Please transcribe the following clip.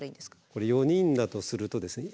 これ４人だとするとですね